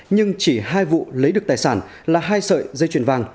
nhưng chỉ hai vụ lấy được tài sản là hai sợi dây chuyền vàng